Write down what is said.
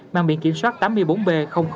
mang biển kiểm soát tám mươi bốn b hai trăm linh năm